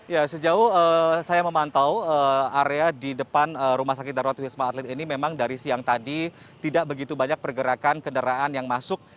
ya sejauh saya memantau area di depan rumah sakit darurat wisma atlet ini memang dari siang tadi tidak begitu banyak pergerakan kendaraan yang masuk